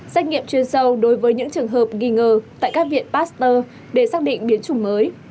xét nghiệm chuyên sâu đối với những trường hợp nghi ngờ tại các viện pasteur để xác định biến chủng mới